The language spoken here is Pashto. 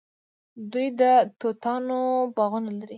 دوی د توتانو باغونه لري.